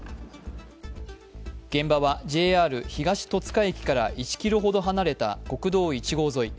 現場はＪＲ東戸塚駅から１ｋｍほど離れた国道１号沿い。